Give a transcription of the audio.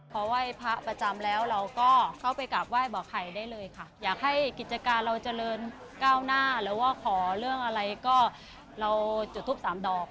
พอไหว้พระประจำแล้วเราก็เข้าไปกราบไหว้บอกไข่ได้เลยค่ะอยากให้กิจการเราเจริญก้าวหน้าหรือว่าขอเรื่องอะไรก็เราจุดทูปสามดอก